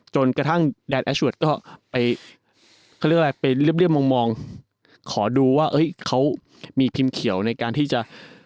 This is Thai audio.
จนกระทั่งแดดแอชเวิร์ดก็ไปเรียบมองขอดูว่าเขามีพิมพ์เขียวในการที่จะ